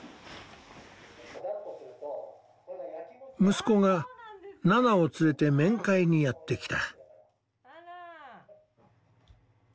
息子がナナを連れて面会にやって来た。